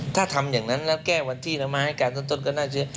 ถ้าทำอย่างนั้นแล้วแก้วันที่แล้วมาให้การต้นก็น่าเชื่อ